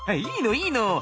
いいのいいの。